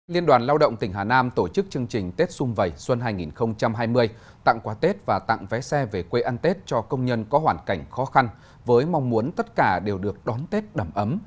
liên đoàn lao động tỉnh hà nam tổ chức chương trình tết xung vầy xuân hai nghìn hai mươi tặng quà tết và tặng vé xe về quê ăn tết cho công nhân có hoàn cảnh khó khăn với mong muốn tất cả đều được đón tết đầm ấm